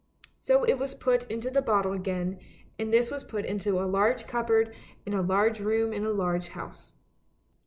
So it was put into the bottle again, and this was put into a large cupboard in a large room in a large house.